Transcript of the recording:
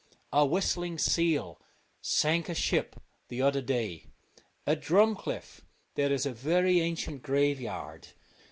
A whistling seal sank a ship the other day. At Drumcliff there is a very ancient graveyard.